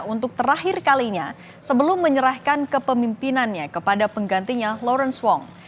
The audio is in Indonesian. untuk terakhir kalinya sebelum menyerahkan kepemimpinannya kepada penggantinya lawrence wong